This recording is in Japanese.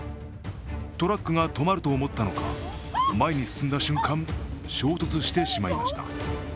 トラックが止まると思ったのか前に進んだ瞬間、衝突してしまいました。